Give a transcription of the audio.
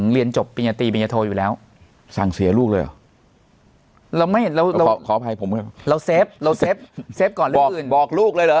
เราต้องบอกเหรอ